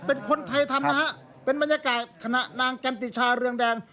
เป็นคนไทยทำนะฮะเป็นบรรยากาศขณะนางกันติชาเรืองแดง